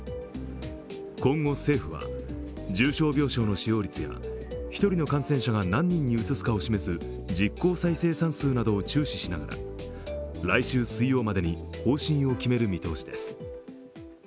今後、政府は重症病床の使用率や１人の感染者が何人にうつすかを示す実効再生産数などを注視しながら来週水曜までに方針を決める見通しです。